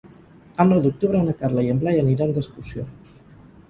El nou d'octubre na Carla i en Blai aniran d'excursió.